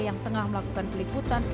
yang tengah melakukan peliputan